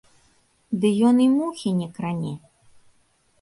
Ды ён і мухі не кране!